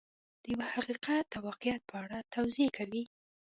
د یو حقیقت او واقعیت په اړه توضیح کوي.